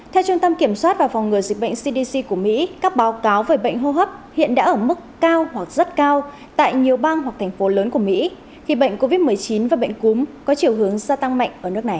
theo trung tâm kiểm soát và phòng ngừa dịch bệnh cdc của mỹ các báo cáo về bệnh hô hấp hiện đã ở mức cao hoặc rất cao tại nhiều bang hoặc thành phố lớn của mỹ khi bệnh covid một mươi chín và bệnh cúm có chiều hướng gia tăng mạnh ở nước này